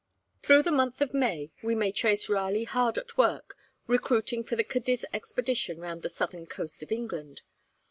Through the month of May, we may trace Raleigh hard at work, recruiting for the Cadiz expedition round the southern coast, of England.